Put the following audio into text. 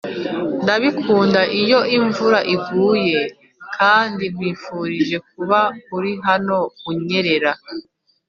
ndabikunda iyo imvura iguye kandi nkwifurije kuba uri hano unyerera.